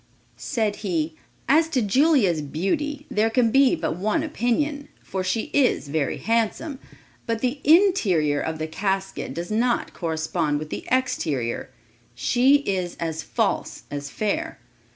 Said he, "As to Julia's beauty, there can be but one opinion, for she is very handsome; but the interior of the casket does not correspond with the exterior; she is as false as fair.